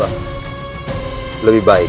rayi gentring manik